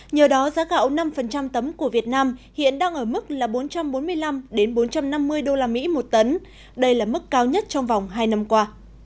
nhờ đó giá gạo năm tấm của việt nam hiện đang ở mức là bốn trăm bốn mươi năm bốn trăm năm mươi usd một tấn đây là mức cao nhất trong vòng hai năm qua